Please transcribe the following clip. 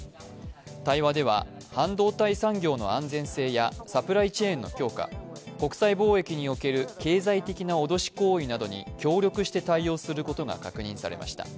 対話では半導体産業の安全性やサプライチェーンの強化、国際貿易における経済的な脅し行為などに協力して対応することが確認されました。